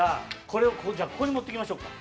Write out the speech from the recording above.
これをじゃあここに持ってきましょうか。